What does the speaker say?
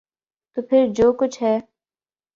تو پھر جو کچھ ہے۔